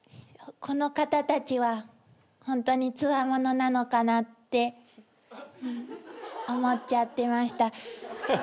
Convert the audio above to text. この方たちはホントにつわものなのかなって思っちゃってました。